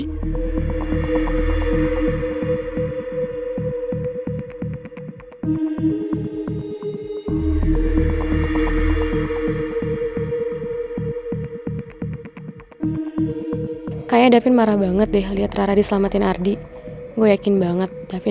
kayaknya davin marah banget deh lihat rara diselamatin ardi gue yakin banget tapi